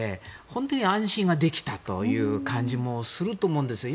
本当に安心ができたという感じもすると思うんですよ。